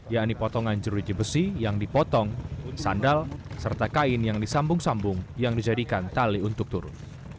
yakni potongan jeruji besi yang dipotong sandal serta kain yang disambung sambung yang dijadikan tali untuk turun